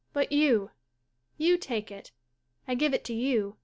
'] But you — you take it. I give it to you.